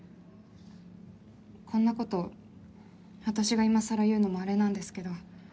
こんなこと私が今更言うのもあれなんですけど。